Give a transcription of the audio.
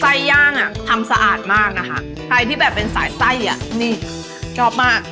ย่างอ่ะทำสะอาดมากนะคะใครที่แบบเป็นสายไส้อ่ะนี่ชอบมาก